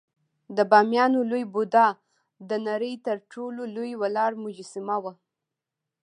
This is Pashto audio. د بامیانو لوی بودا د نړۍ تر ټولو لوی ولاړ مجسمه وه